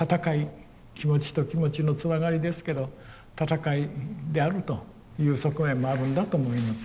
気持ちと気持ちのつながりですけど闘いであるという側面もあるんだと思います。